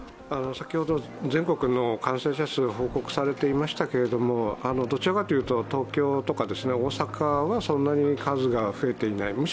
先ほど全国の感染者数、報告されていましたけれどどちらかというと東京とか大阪は数が増えていない。